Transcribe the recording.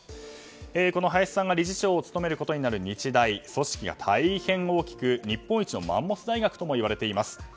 この林さんが理事長を務めることになる日大組織が大変大きく日本一のマンモス大学ともいわれています。